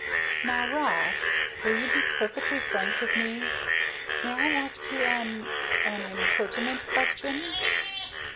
"Now, Ross, will you be perfectly frank with me? May I ask you an an impertinent question?"